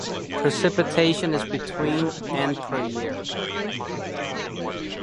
Precipitation is between and per year.